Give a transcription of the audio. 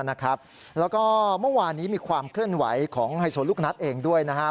แล้วก็เมื่อวานนี้มีความเคลื่อนไหวของไฮโซลูกนัทเองด้วยนะครับ